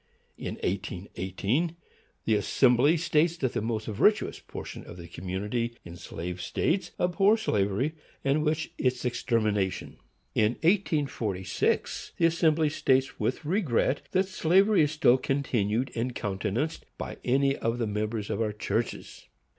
In 1818 the Assembly states that the most virtuous portion of the community in slave states abhor slavery, and wish its extermination. In 1846 the Assembly states with regret that slavery is still continued and countenanced by any of the members of our churches.